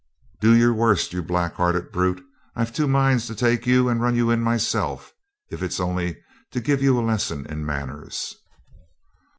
Do your worst, you black hearted brute! I've two minds to take you and run you in myself, if it's only to give you a lesson in manners.'